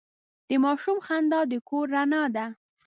د ماشوم خندا د کور رڼا ده.